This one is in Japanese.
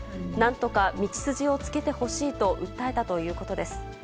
なんとか道筋をつけてほしいと訴えたということです。